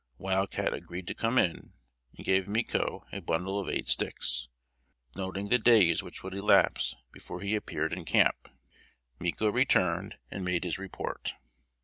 Wild Cat agreed to come in, and gave Micco a bundle of eight sticks, denoting the days which would elapse before he appeared in camp. Micco returned, and made his report.